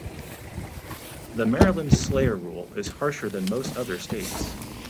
The Maryland slayer rule is harsher than most other states.